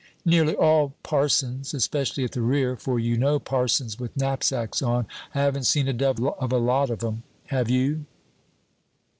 "Nearly all parsons, especially at the rear. For, you know, parsons with knapsacks on, I haven't seen a devil of a lot of 'em, have you?"